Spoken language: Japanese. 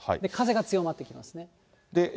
風が強まってきますね。